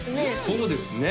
そうですね